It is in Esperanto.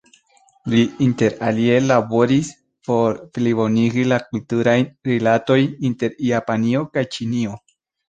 Li inter alie laboris por plibonigi la kulturajn rilatojn inter Japanio kaj Ĉinio.